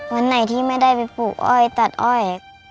วันไหนที่ไม่ได้ไปปลูกอ้อยตัดอ้อย